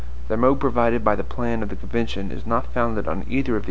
The mode provided by the plan of the convention is not founded on either of these principles.